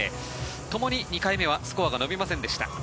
ともに２回目はスコアが伸びませんでした。